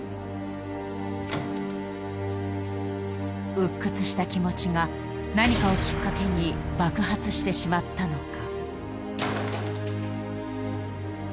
バーク鬱屈した気持ちが何かをきっかけに爆発してしまったのか